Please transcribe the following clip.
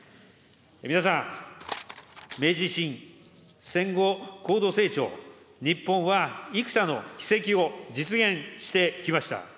皆さん、明治維新、戦後高度成長、日本はいくたの奇跡を実現してきました。